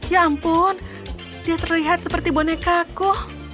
ya ampun dia terlihat seperti boneka aku